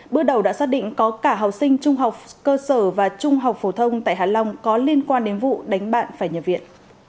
bước đầu đã xác định có cả học sinh trung học cơ sở và trung học phổ thông tại hạ long có liên quan đến vụ đánh bạn phải nhập viện